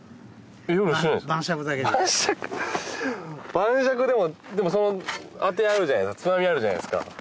晩酌でもでもそのあてあるじゃないですか。